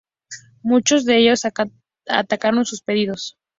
Muchos de ellos acataron sus pedidos.